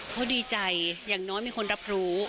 เขาดีใจอย่างน้อยมีคนรับรู้